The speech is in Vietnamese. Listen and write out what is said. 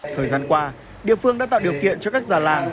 thời gian qua địa phương đã tạo điều kiện cho các già làng